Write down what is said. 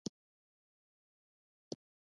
ځکه بيا یې د کرايي جګړې ډالر پارچاوېږي.